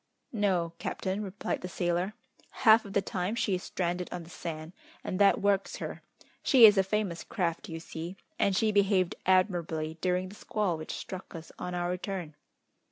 "No, captain," replied the sailor. "Half of the time she is stranded on the sand, and that works her. She is a famous craft, you see, and she behaved admirably during the squall which struck us on our return."